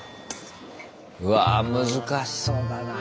うわあ難しそうだなぁ。